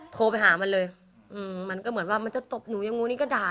โทรไปหามันเลยมันก็เหมือนว่ามันจะตบหนูอย่างงูนี้ก็ด่า